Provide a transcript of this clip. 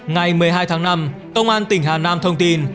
ngày một mươi hai tháng năm công an tỉnh hà nam thông tin